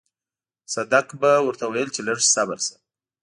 صدک به ورته ويل چې لږ صبر شه.